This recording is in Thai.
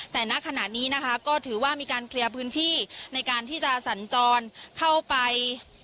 แต่ณขณะนี้นะคะก็ถือว่ามีการเคลียร์พื้นที่ในการที่จะสัญจรเข้าไป